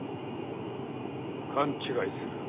勘違いするな。